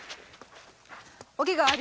おけがは？